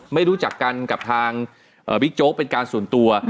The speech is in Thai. ไม่รู้จักกันกับทางบิ๊กโจ๊กเป็นการส่วนตัว